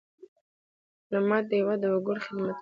ډيپلومات د هېواد د وګړو خدمت کوي.